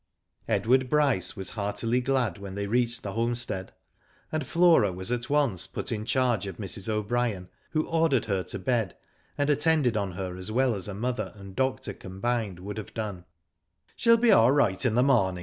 Edward Bryce was heartily glad when they reached the ho m stead, and Flora was at once put in charge of Mrs. O'Brien, who ordered her to bed, and attended on her as well as a mother and doctor combined wou4d have done. " She'll be all right in the morning.